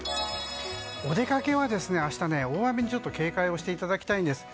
お出かけは明日、大雨に警戒していただきたいんです。